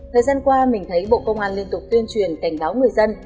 thời gian qua mình thấy bộ công an liên tục tuyên truyền cảnh báo người dân